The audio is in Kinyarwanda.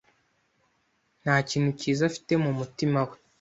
Nta kintu cyiza afite mumutima we.